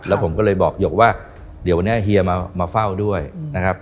แล้วผมก็เลยบอกหยกว่าเดี๋ยววันนี้เฮียมาเฝ้าด้วยนะครับ